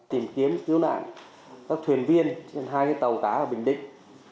tìm kiếm cứu nạn các thuyền viên trên hai tàu cá ở bình định